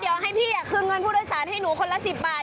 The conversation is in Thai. เดี๋ยวให้พี่คืนเงินผู้โดยสารให้หนูคนละ๑๐บาท